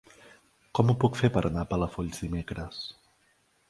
Com ho puc fer per anar a Palafolls dimecres?